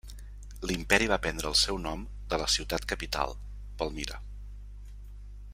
L'imperi va prendre el seu nom de la ciutat capital, Palmira.